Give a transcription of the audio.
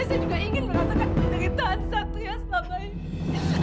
saya juga ingin merasakan penderitaan satria selama ini